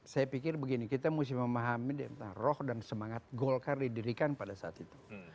saya pikir begini kita mesti memahami di antara roh dan semangat golkar didirikan pada saat itu